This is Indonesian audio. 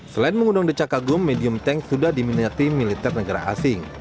selain mengundang decak kagum medium tank sudah diminati militer negara asing